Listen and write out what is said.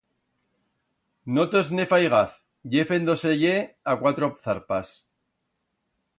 No tos ne faigaz, ye fendo-se-ie a cuatro zarpas.